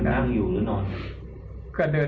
ต้องเข้ามา